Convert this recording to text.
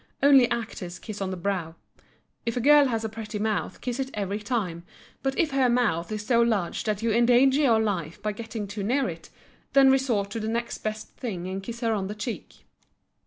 Only actors kiss on the brow. If a girl has a pretty mouth kiss it every time, but if her mouth is so large that you endanger your life by getting too near it, then resort to the next best thing and kiss her on the cheek.